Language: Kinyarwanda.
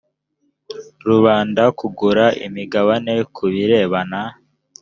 rubanda kugura imigabane ku birebana